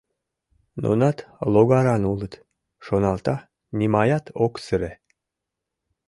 «Нунат логаран улыт, — шоналта, нимаят ок сыре.